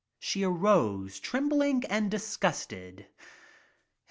She arose, trembling and disgusted.